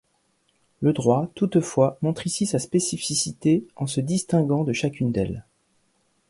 Le droit, toutefois, montre ici sa spécificité en se distinguant de chacune d'elles.